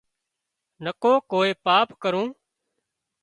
نڪو ڪوئي پاپ ڪرون